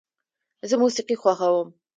زه موسیقي خوښوم.